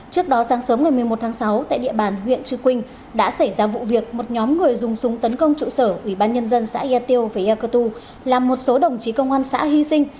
trước đó sáng sớm ngày một mươi một tháng sáu tại địa bàn huyện chư quynh đã xảy ra vụ việc một nhóm người dùng súng tấn công trụ sở ủy ban nhân dân xã yà tiêu và ya cơ tu làm một số đồng chí công an xã hy sinh